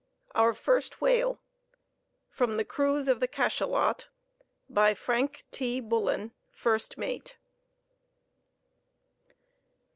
OUR FIRST WHALE (From the Cruise of the Cachalot.) By FRANK T. BULLEN, First Mate.